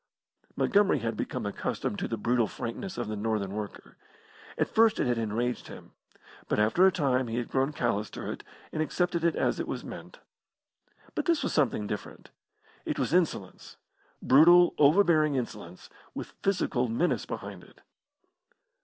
Montgomery had become accustomed to the brutal frankness of the northern worker. At first it had enraged him, but after a time he had grown callous to it, and accepted it as it was meant. But this was something different. It was insolence brutal, overbearing insolence, with physical menace behind it.